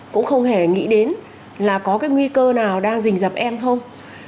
cũng không hề nghĩ đến là có cái nguy cơ nào đang dình dập em không